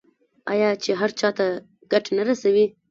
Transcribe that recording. آیا چې هر چا ته ګټه نه رسوي؟